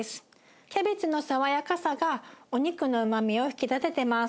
キャベツの爽やかさがお肉のうまみを引き立ててます。